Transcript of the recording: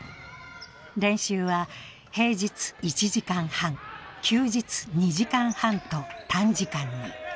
練習は平日１時間半、休日２時間半と、短時間に。